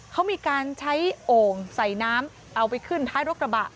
เขามีการใช้โอ่งใส่น้ำเอาไปขึ้นท้ายรถกระบะ